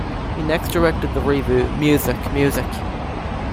He next directed the revue Music! Music!